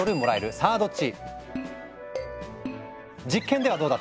さあどっち？